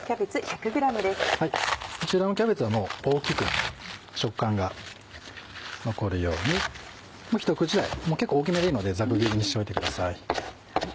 こちらのキャベツは大きく食感が残るように一口大結構大きめでいいのでざく切りにしておいてください。